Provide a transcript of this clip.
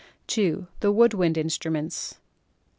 (2) The Wood Wind Instruments.